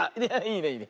いいねいいね。